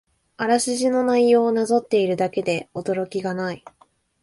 あらすじの内容をなぞっているだけで驚きがない